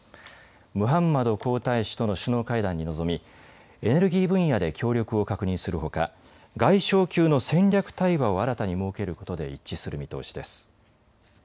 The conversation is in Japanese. ムハンマド皇太子との首脳会談に臨みエネルギー分野で協力を確認するほか外相級の戦略対話を新たに設けることで一致する見通しです。